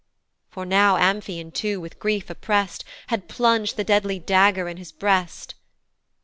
For now Amphion too, with grief oppress'd, Had plung'd the deadly dagger in his breast.